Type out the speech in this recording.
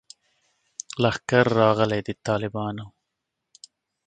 لښکر راغلی د طالبانو